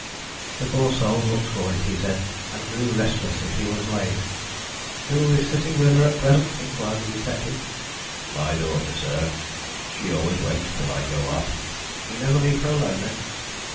The poor soul looked for it, he said, and grew restless if he was late. "Who is sitting with her at present?" inquired the detective. "My daughter, sir. She always waits till I go up." "You never leave her alone, then?"